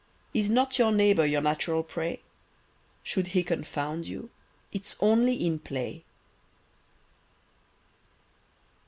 Is not your neighbour your natural prey? Should he confound you, it's only in play.